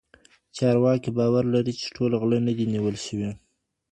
چارواکي باور لري چې ټول غله نه دي نيول شوي.